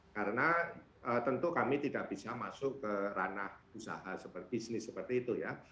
karena tentu kami tidak bisa masuk ke ranah usaha bisnis seperti itu ya